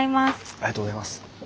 ありがとうございます。